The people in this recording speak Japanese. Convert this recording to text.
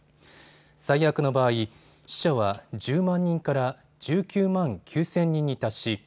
最悪の場合、死者は１０万人から１９万９０００人に達し